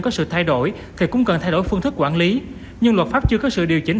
có sự thay đổi thì cũng cần thay đổi phương thức quản lý nhưng luật pháp chưa có sự điều chỉnh